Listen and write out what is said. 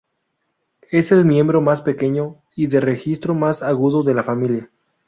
Es el miembro más pequeño y de registro más agudo de la familia.